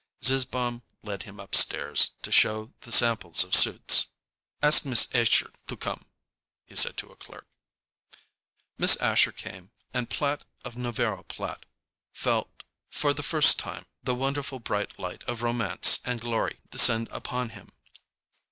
Zizzbaum led him up stairs to show the samples of suits. "Ask Miss Asher to come," he said to a clerk. Miss Asher came, and Platt, of Navarro & Platt, felt for the first time the wonderful bright light of romance and glory descend upon him.